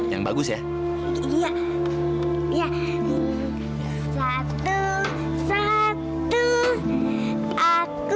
yang bagus ya